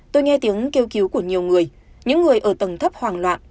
tôi nghe tiếng kêu cứu của nhiều người những người ở tầng thấp hoàng loạn